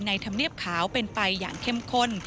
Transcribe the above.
ธรรมเนียบขาวเป็นไปอย่างเข้มข้น